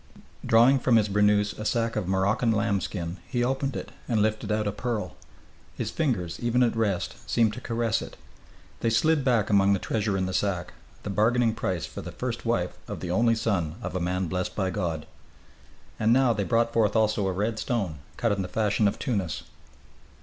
Drawing from his burnoose a sack of Moroccan lambskin, he opened it and lifted out a pearl. His fingers, even at rest, seemed to caress it. They slid back among the treasure in the sack, the bargaining price for the first wife of the only son of a man blessed by God. And now they brought forth also a red stone, cut in the fashion of Tunis.